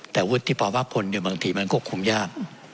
แต่วุฒิภาวะคนอยู่บางทีมันก็คุมยาก